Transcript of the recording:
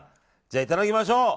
いただきましょう。